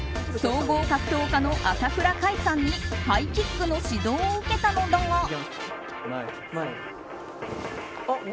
総合格闘家の朝倉海さんにハイキックの指導を受けたのだが。